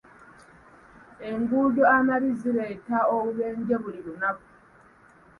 Enguudo amabi zireeta obubenje buli lunaku.